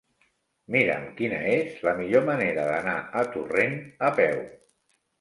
Mira'm quina és la millor manera d'anar a Torrent a peu.